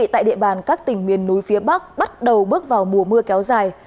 tại địa bàn các tỉnh miền núi phía bắc bắt đầu bước vào mùa mưa kéo dài